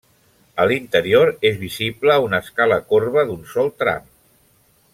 A l'interior és visible una escala corba d'un sol tram.